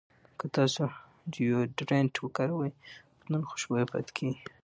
که تاسو ډیوډرنټ وکاروئ، بدن خوشبویه پاتې کېږي.